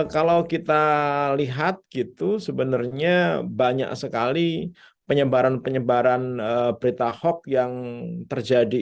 kalau kita lihat gitu sebenarnya banyak sekali penyebaran penyebaran berita hoax yang terjadi